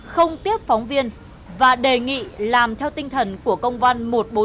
không tiếp phóng viên và đề nghị làm theo tinh thần của công an một nghìn bốn trăm chín mươi hai